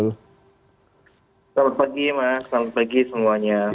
selamat pagi mas selamat pagi semuanya